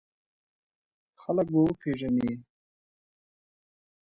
خلک به وپېژنې!